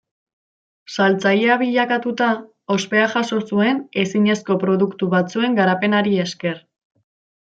Saltzaile bilakatuta, ospea jaso zuen ezinezko produktu batzuen garapenari esker.